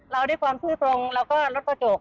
เราได้ความชื่อตรงแล้วก็ลดกระจก